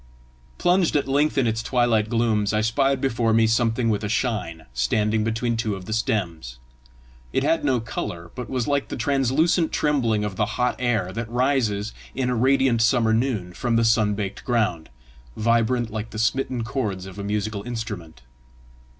Plunged at length in its twilight glooms, I spied before me something with a shine, standing between two of the stems. It had no colour, but was like the translucent trembling of the hot air that rises, in a radiant summer noon, from the sun baked ground, vibrant like the smitten chords of a musical instrument.